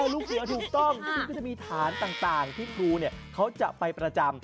ลูกเสือถูกต้องคุณก็จะมีฐานต่างที่ครูเขาจะไปประจำ